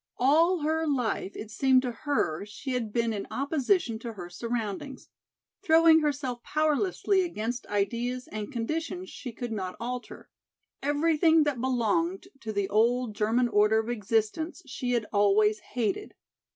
All her life it seemed to her she had been in opposition to her surroundings, throwing herself powerlessly against ideas and conditions she could not alter. Everything that belonged to the old German order of existence she had always hated.